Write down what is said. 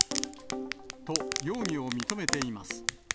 と、容疑を認めています。